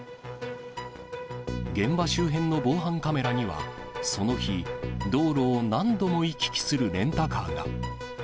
現場周辺の防犯カメラには、その日、道路を何度も行き来するレンタカーが。